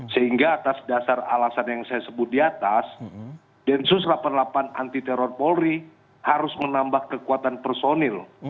sehingga atas dasar alasan yang saya sebut di atas densus delapan puluh delapan anti teror polri harus menambah kekuatan personil